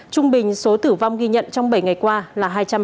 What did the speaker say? trung bình số tử vong ghi nhận trong bảy ngày qua là hai trăm hai mươi ba ca